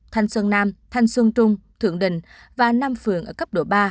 thanh xuân nam thanh xuân trung thượng đình và năm phường ở cấp độ ba